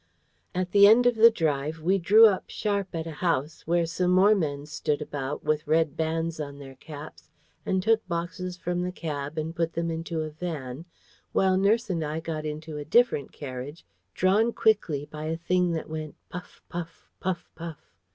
At the end of the drive, we drew up sharp at a house, where some more men stood about, with red bands on their caps, and took boxes from the cab and put them into a van, while nurse and I got into a different carriage, drawn quickly by a thing that went puff puff, puff puff.